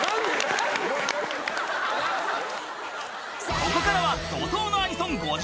［ここからは］